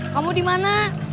kamu di mana